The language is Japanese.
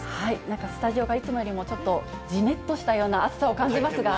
スタジオがいつもよりもちょっとじめっとしたような暑さを感じますが。